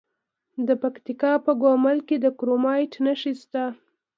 د پکتیکا په ګومل کې د کرومایټ نښې شته.